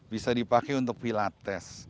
bisa dipakai untuk pilates